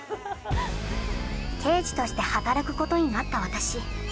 ◆刑事として働くことになった私。